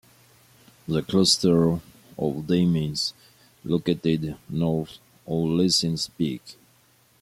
The cluster of domes is located north of Lassen Peak.